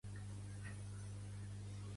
Pertany al moviment independentista la Lucrecia?